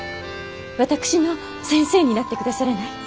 私の先生になって下さらない？